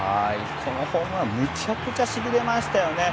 このホームランめちゃくちゃしびれましたよね。